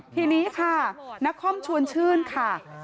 ทีนี้ค่ะนครชวนชื่นค่ะ